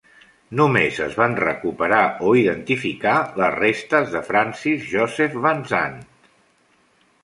Només es van recuperar o identificar les restes de Francis Joseph Van Zandt.